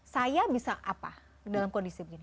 saya bisa apa dalam kondisi begini